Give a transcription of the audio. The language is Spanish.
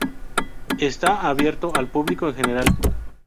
Está abierto al público en general.